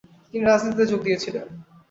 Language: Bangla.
তিনি রাজনীতিতে যোগ দিয়েছিলেন।